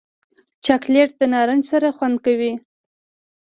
چاکلېټ د نارنج سره خوند کوي.